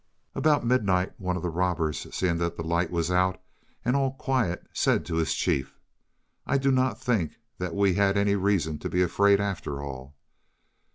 About midnight one of the robbers, seeing that the light was out and all quiet, said to his chief: "I do not think that we had any reason to be afraid, after all."